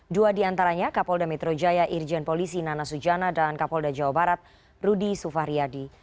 dua diantaranya kapolda metro jaya irjen polisi nana sujana dan kapolda jawa barat rudy sufahriyadi